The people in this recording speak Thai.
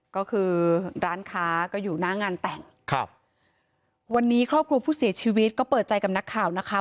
ก็คือร้านค้าก็อยู่หน้างานแต่งครับวันนี้ครอบครัวผู้เสียชีวิตก็เปิดใจกับนักข่าวนะคะ